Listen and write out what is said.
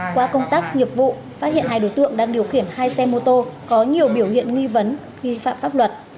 qua công tác nghiệp vụ phát hiện hai đối tượng đang điều khiển hai xe mô tô có nhiều biểu hiện nghi vấn vi phạm pháp luật